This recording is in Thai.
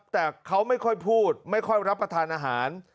แต่เขาไม่ค่อยพูดไม่ค่อยรับประทานอาหาร